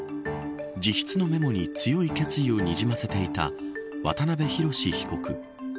自筆のメモに強い決意をにじませていた渡辺宏被告。